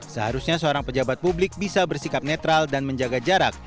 seharusnya seorang pejabat publik bisa bersikap netral dan menjaga jarak